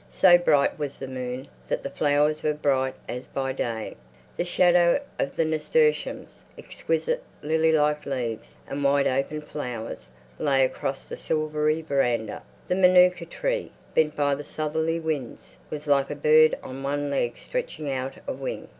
So bright was the moon that the flowers were bright as by day; the shadow of the nasturtiums, exquisite lily like leaves and wide open flowers, lay across the silvery veranda. The manuka tree, bent by the southerly winds, was like a bird on one leg stretching out a wing.